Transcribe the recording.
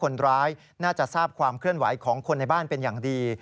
คนร้ายน่าจะทราบความเคลื่อนไหวของคนในบ้านเป็นอย่างดี